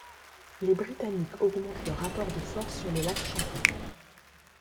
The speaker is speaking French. Les britanniques augmentent leur rapport de force sur le lac Champlain.